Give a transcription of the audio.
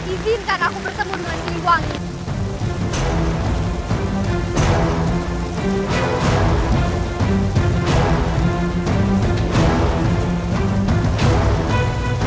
izinkan aku bertemu dengan siliwangi